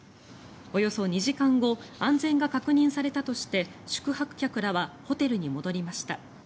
およそ２時間後安全が確認されたとして宿泊客らはホテルに戻りました。